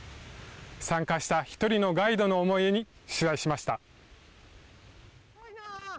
参加した一人のガイドの思いに取材しました。